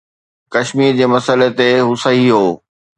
ڪشمير جي مسئلي تي هو صحيح هو